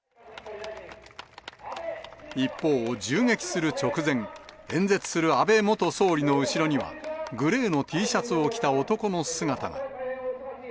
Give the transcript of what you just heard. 一方、銃撃する直前、演説する安倍元総理の後ろには、グレーのＴシャツを着た男の姿が。